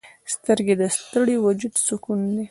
سترګې د ستړي وجود سکون دي